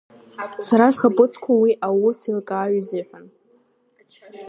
Сара схаԥыцқәа уи аусеилкааҩ изыҳәан…